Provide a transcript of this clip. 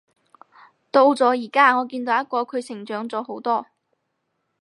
到咗而家，我見到一個佢成長咗好多